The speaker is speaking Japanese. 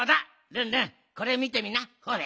ルンルンこれみてみなほれ。